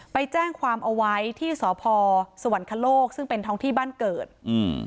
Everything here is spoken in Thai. ไปแจ้งความเอาไว้ที่สพสวรรคโลกซึ่งเป็นท้องที่บ้านเกิดอืม